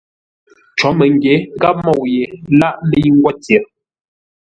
Cǒ məngyě gháp môu yé láʼ mə́i ngwó tyer.